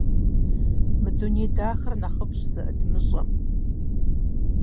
Мы дуней дахэр нэхъыфӀщ зэӀыдмыщӀэм.